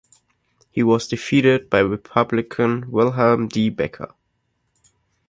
He was defeated by Republican William D. Becker.